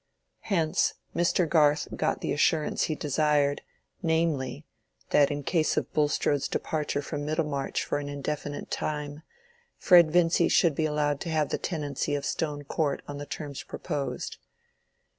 Hence Mr. Garth got the assurance he desired, namely, that in case of Bulstrode's departure from Middlemarch for an indefinite time, Fred Vincy should be allowed to have the tenancy of Stone Court on the terms proposed.